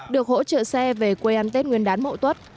được hỗ trợ xe về quê ăn tết nguyên đán mậu tuất